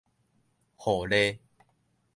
雨笠